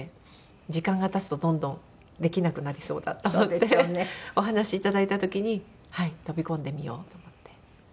時間が経つとどんどんできなくなりそうだったのでお話いただいた時に飛び込んでみようと思って。